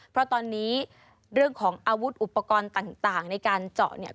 เพราะตอนนี้เรื่องของอาวุธอุปกรณ์ต่างในการเจาะเนี่ย